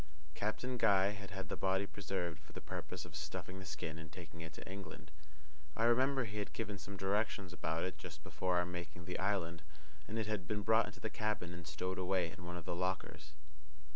Captain Guy had had the body preserved for the purpose of stuffing the skin and taking it to England. I remember he had given some directions about it just before our making the island, and it had been brought into the cabin and stowed away in one of the lockers.